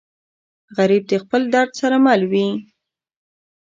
غریب د خپل درد سره مل وي